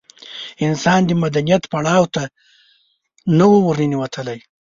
انسانان د مدنیت پړاو ته نه وو ورننوتلي.